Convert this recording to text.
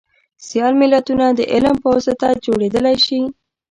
سیال ملتونه دعلم په واسطه جوړیدلی شي